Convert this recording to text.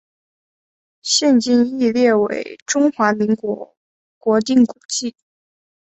现今亦列为中华民国国定古迹。